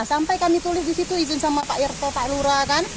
sampai kami tulis di situ izin sama pak irto pak lura kan